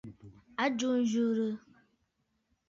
À jɨ nyurə.